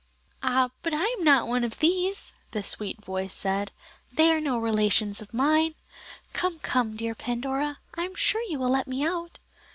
"Ah, but I am not one of these," the sweet voice said, "they are no relations of mine. Come, come, dear Pandora, I am sure you will let me out."